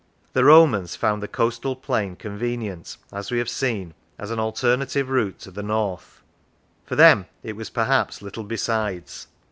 The Romans found the coastal plain con venient, as we have seen, as an alternative route to the north; for them it was, perhaps, little besides.